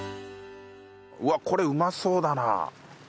うわっこれうまそうだな。